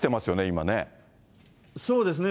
今そうですね。